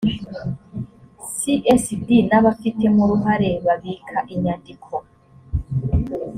csd n abafitemo uruhare babika inyandiko